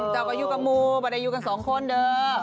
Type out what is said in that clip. จะไว้อยู่กับมูป็อเดยูกับสองคนเด้อ